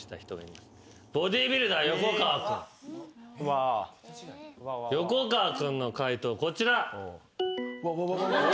横川君の解答こちら。